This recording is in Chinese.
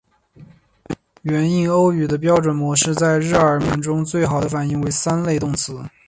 原印欧语的标准模式在日耳曼语言中最好的反映为三类动词。